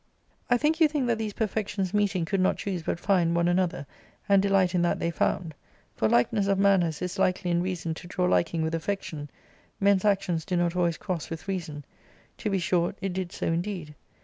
* "I think you think that these perfections meeting could not choose but find one another, and delight in that they found ; for likeness of manners is likely in reason to draw liking with affection — men's actions do not always cross with reason. To be short, it did so indeed.